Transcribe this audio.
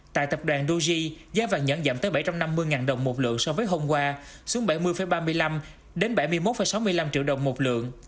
tại tập đoàn doji giá vàng nhẫn giảm tới bảy trăm năm mươi đồng một lượng so với hôm qua xuống bảy mươi ba mươi năm bảy mươi một sáu mươi năm triệu đồng một lượng